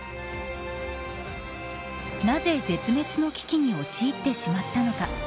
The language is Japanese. なぜ、絶滅の危機に陥ってしまったのか。